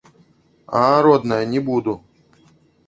А, родная, не буду.